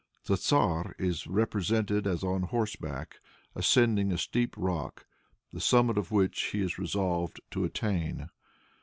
The tzar is represented as on horseback, ascending a steep rock, the summit of which he is resolved to attain.